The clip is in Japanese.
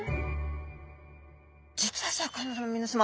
実はシャーク香音さま皆さま。